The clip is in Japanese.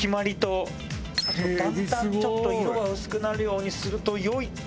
あと「だんだんちょっと色が薄くなるようにするとよい」。